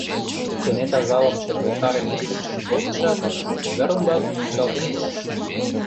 Кенета залым шергылтарен ӱгынчын колтышат, кӱвар ӱмбак мунчалтен волыш.